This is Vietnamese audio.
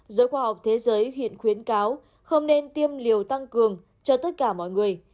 giới khoa học thế giới hiện khuyến cáo không nên tiêm liều tăng cường cho tất cả mọi người